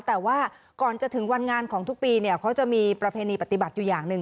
แต่ว่าก่อนจะถึงวันงานของทุกปีเนี่ยเขาจะมีประเพณีปฏิบัติอยู่อย่างหนึ่ง